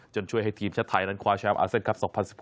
ช่วยให้ทีมชาติไทยนั้นคว้าแชมป์อาเซียนครับ๒๐๑๖